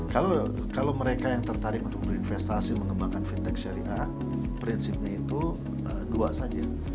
kalau mereka yang tertarik untuk berinvestasi mengembangkan fintech syariah prinsipnya itu dua saja